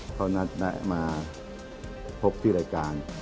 เขานัดแนะมาพบที่รายการ